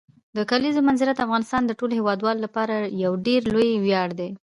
د کلیزو منظره د افغانستان د ټولو هیوادوالو لپاره یو ډېر لوی ویاړ دی.